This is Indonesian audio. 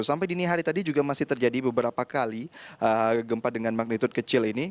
sampai dini hari tadi juga masih terjadi beberapa kali gempa dengan magnitude kecil ini